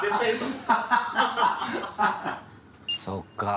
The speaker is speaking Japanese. そっかぁ